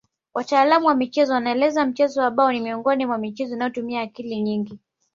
Wataalamu wa michezo wanaeleza mchezo wa bao ni miongoni mwa michezo inayotumia akili nyingi